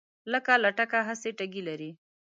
لکه لټکه هسې ټګي لري